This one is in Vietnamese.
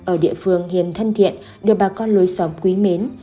ở địa phương hiền thân thiện được bà con lối xóm quý mến